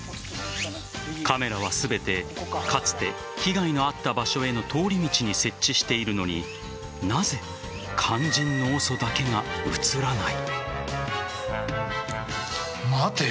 カメラは全てかつて被害のあった場所への通り道に設置しているのになぜ肝心のＯＳＯだけが映らない。